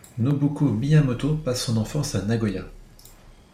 Nobuko Miyamoto passe son enfance à Nagoya.